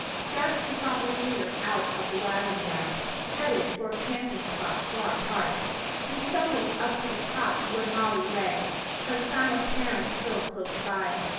Jackson saw his leader out of the wagon gap, headed for a camping spot far apart. He stumbled up to the cot where Molly lay, her silent parents still close by.